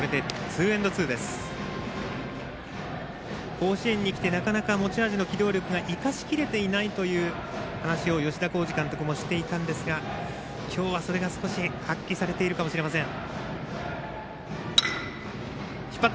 甲子園に来てなかなか、持ち味の機動力を生かしきれていないという話を吉田洸二監督もしていたんですが今日はそれが少し発揮されているかもしれません。